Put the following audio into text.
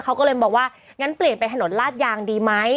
เขาก็เลยบอกว่างั้นเปลี่ยนไปถนนลาดยางดีไหม